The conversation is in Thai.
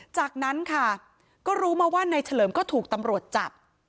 จากนั้นค่ะก็รู้มาว่านายเฉลิมก็ถูกตำรวจจับ